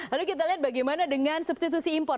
lalu kita lihat bagaimana dengan substitusi impor